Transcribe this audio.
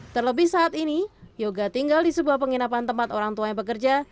terlebih saat ini yoga tinggal di sebuah penginapan tempat orang tuanya bekerja